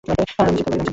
আমি চিন্তা করি নি।